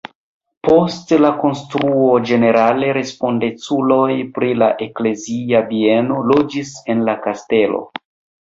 Post la konstruo ĝenerale respondeculoj pri la eklezia bieno loĝis en la kastelo.